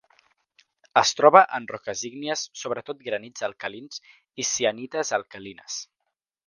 Es troba en roques ígnies, sobretot granits alcalins i sienites alcalines.